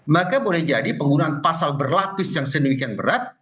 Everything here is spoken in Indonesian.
maka boleh jadi penggunaan pasal berlapis yang sedemikian berat